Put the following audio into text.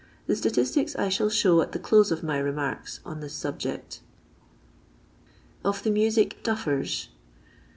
Tha statistics I shall show at the close of my remarks on this subject. Of ihb Music "Duffers."